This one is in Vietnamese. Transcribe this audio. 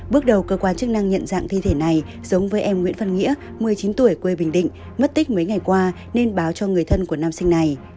bước đầu cơ quan chức năng nhận dạng thi thể này giống với em nguyễn văn nghĩa một mươi chín tuổi quê bình định mất tích mấy ngày qua nên báo cho người thân của nam sinh này